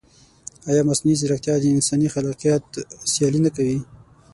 ایا مصنوعي ځیرکتیا د انساني خلاقیت سیالي نه کوي؟